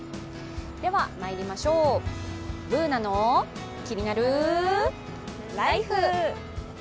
ではまいりましょう、「ＢｏｏｎａのキニナルＬＩＦＥ」。